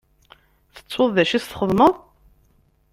Tettuḍ d acu i s-txedmeḍ?